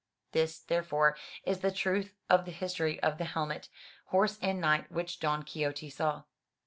This, therefore, is the truth of the history of the helmet, horse and knight, which Don Quixote saw.